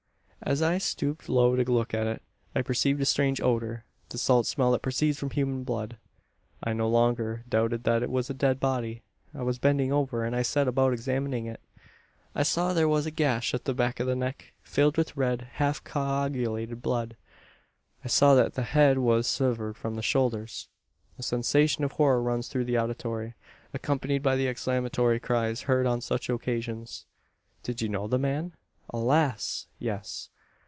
"As I stooped low to look at it, I perceived a strange odour the salt smell that proceeds from human blood. "I no longer doubted that it was a dead body I was bending over; and I set about examining it. "I saw there was a gash at the back of the neck, filled with red, half coagulated blood. I saw that the head was severed from the shoulders!" A sensation of horror runs through the auditory accompanied by the exclamatory cries heard on such occasions. "Did you know the man?" "Alas! yes."